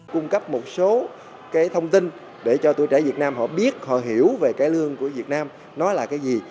cung cấp một số cái thông tin để cho tuổi trẻ việt nam họ biết họ hiểu về cái lương của việt nam nó là cái gì